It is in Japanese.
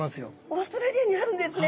オーストラリアにあるんですね。